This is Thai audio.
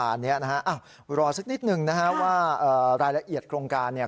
อันนี้นะฮะรอสักนิดหนึ่งนะฮะว่ารายละเอียดโครงการเนี่ย